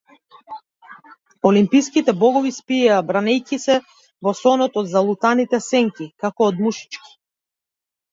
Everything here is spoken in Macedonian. Олимпските богови спиеја бранејќи се во сонот од залутаните сенки, како од мушички.